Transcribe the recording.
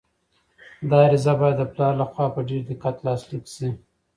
دا عریضه باید د پلار لخوا په ډېر دقت لاسلیک شي.